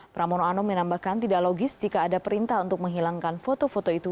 pramono anung menambahkan tidak logis jika ada perintah untuk menghilangkan foto foto itu